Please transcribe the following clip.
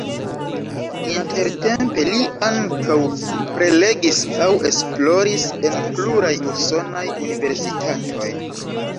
Intertempe li ankaŭ prelegis aŭ esploris en pluraj usonaj universitatoj.